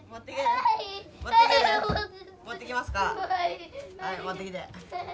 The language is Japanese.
はい持ってきて。